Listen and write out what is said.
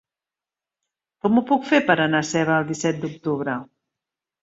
Com ho puc fer per anar a Seva el disset d'octubre?